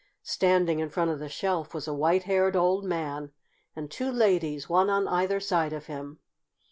Standing in front of the shelf was a white haired old man and two ladies, one on either side of him.